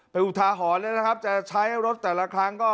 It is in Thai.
เป็นอุทาหรณ์แล้วนะครับจะใช้รถแต่ละครั้งก็